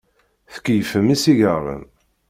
Tkeyyfem isigaṛen.